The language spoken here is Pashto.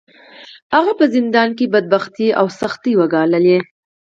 هغه په زندان کې بدبختۍ او سختۍ وګاللې.